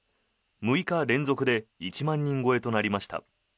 ６日連続で１万人超えとなりました。